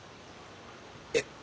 えっ。